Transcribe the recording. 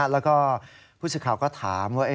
แล้วก็ผู้สื่อข่าวก็ถามว่า